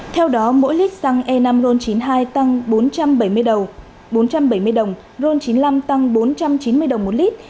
theo đó mỗi lít xăng e năm ron chín mươi hai tăng bốn trăm bảy mươi đồng ron chín mươi năm tăng bốn trăm chín mươi đồng một lít